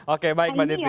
oke baik pak diti